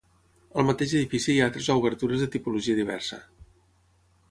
Al mateix edifici hi ha altres obertures de tipologia diversa.